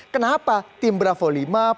kenapa tim bravo lima pak luhut abang itu